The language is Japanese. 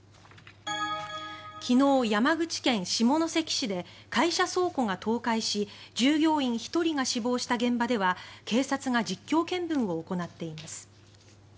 昨日、山口県下関市で会社倉庫が倒壊し従業員１人が死亡した現場では警察が実況見分を行っています。